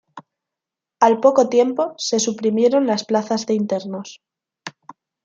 Al poco tiempo se suprimieron las plazas de internos.